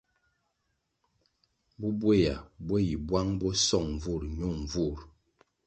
Bubweya bo yi bwang bo song nvurʼ nyun nvurʼ.